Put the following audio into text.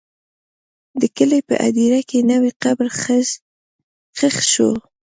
د کلي په هدیره کې نوی قبر ښخ شو.